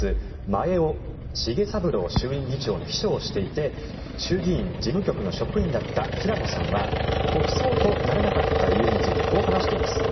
前尾繁三郎衆院議長の秘書をしていて衆議院事務局の職員だった平野さんは国葬とならなかった理由についてこう話しています。